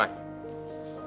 xin chào các bạn